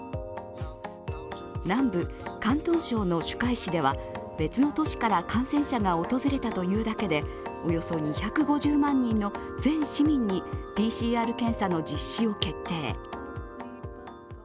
南部・広東省の珠海市では、別の都市から感染者が訪れたというだけで、およそ２５０万人の全市民にＰＣＲ検査の実施を決定。